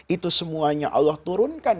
itu semuanya allah turunkan